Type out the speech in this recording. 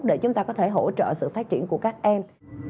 để chúng ta có thể hỗ trợ sự phát triển của các em